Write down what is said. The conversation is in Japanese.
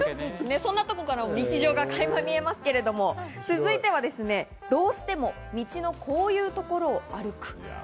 そんなところからも日常が垣間見れますけれども、続いてはどうしても道のこういうところを歩く。